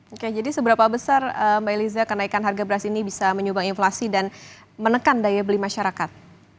oke jadi seberapa besar mbak eliza kenaikan harga beras ini bisa menyumbang inflasi dan menekan daya beli masyarakat